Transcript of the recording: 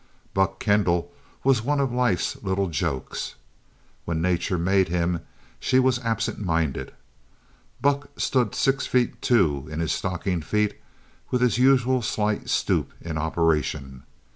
Buck Kendall was one of life's little jokes. When Nature made him, she was absentminded. Buck stood six feet two in his stocking feet, with his usual slight stoop in operation.